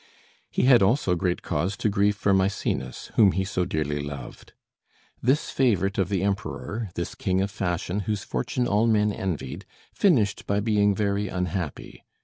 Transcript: He had also great cause to grieve for Mæcenas, whom he so dearly loved. This favorite of the Emperor, this king of fashion, whose fortune all men envied, finished by being very unhappy.